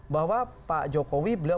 bahwa pak jokowi beliau